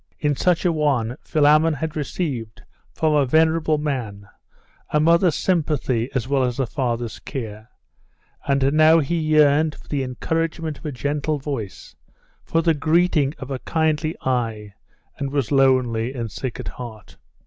In such a one Philammon had received, from a venerable man, a mother's sympathy as well as a father's care; and now he yearned for the encouragement of a gentle voice, for the greeting of a kindly eye, and was lonely and sick at heart....